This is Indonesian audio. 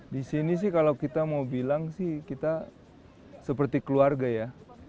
di sini sih kalau kita mau bilang sih kita seperti keluarga ya